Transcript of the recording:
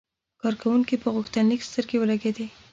کارکونکي په غوښتنلیک سترګې ولګېدې.